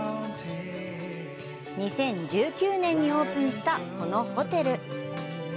２０１９年にオープンしたこのホテル。